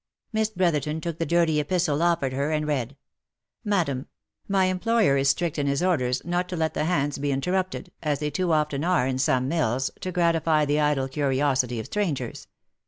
Miss Brotherton took the dirty epistle offered her, and read :—" Madam, — My employer is strict in his orders not to let the hands be interrupted, as they too often are in some mills, to gratify the idle curiosity of strangers.